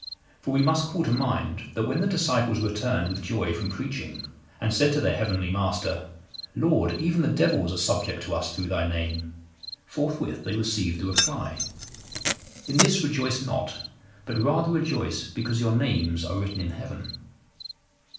For we must call to mind, that when the disciples returned with joy from preaching, and said to their Heavenly Master, 'Lord, even the devils are subject to us through Thy Name;' forthwith they received the reply, 'In this rejoice not; but rather rejoice, because your names are written in heaven.